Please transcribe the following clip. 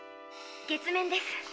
月面です。